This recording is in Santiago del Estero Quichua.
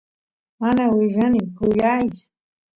mana willani kuyaysh